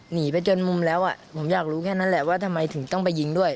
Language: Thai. หนีไปจนมุมแล้วอ่ะผมอยากรู้แค่นั้นแหละว่าทำไมถึงต้องไปยิงด้วย